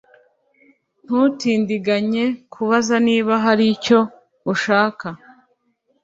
ntutindiganye kubaza niba hari icyo ushaka